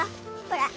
ほら。